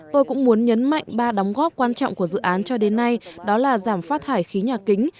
tôi cũng muốn nhấn mạnh ba đóng góp quan trọng của dự án cho đến nay đó là giảm phát thải khí nhà kính